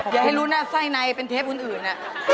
อย่าให้รู้นะไส้ในเป็นเทปอื่น